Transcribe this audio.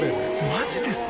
マジですか？